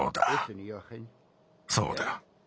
そうだ。